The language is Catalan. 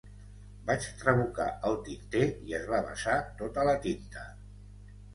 Vaig trabucar el tinter i es va vessar tota la tinta.